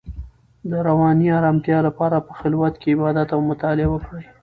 د رواني ارامتیا لپاره په خلوت کې عبادت او مطالعه وکړئ.